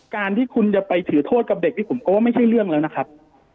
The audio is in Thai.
การที่คุณจะไปถือโทษกับเด็กนี่ผมก็ว่าไม่ใช่เรื่องแล้วนะครับ